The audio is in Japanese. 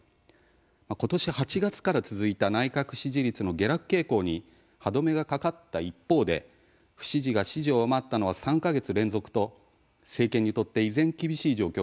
今年８月から続いた内閣支持率の下落傾向に歯止めがかかった一方で不支持が支持を上回ったのは３月連続と、政権にとって依然、厳しい状況が続いています。